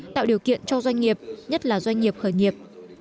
tạo điều kiện cho doanh nghiệp nhất là doanh nghiệp khởi nghiệp